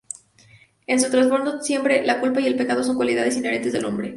En su trasfondo, siempre, la culpa y el pecado son cualidades inherentes al hombre.